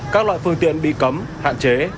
các loại phương tiện bị cấm hạn chế